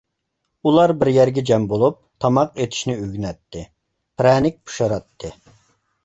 ئۇلار بىر يەرگە جەم بولۇپ، تاماق ئېتىشنى ئۆگىنەتتى، پىرەنىك پىشۇراتتى.